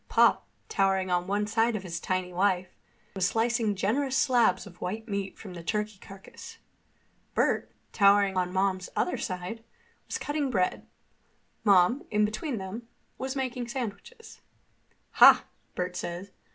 Pop, towering on one side of his tiny wife, was slicing generous slabs of white meat from the turkey carcass. Bert, towering on Mom's other side, was cutting bread. Mom, between them, was making sandwiches. "Ha!" Bert said.